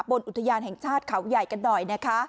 อุทยานแห่งชาติเขาใหญ่กันหน่อยนะคะ